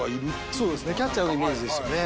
そうですねキャッチャーのイメージですよね。